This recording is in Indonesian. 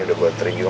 udah gue teri juga